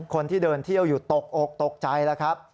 คนที่เดินเที่ยวอยู่ตกอกตกใจแล้วครับ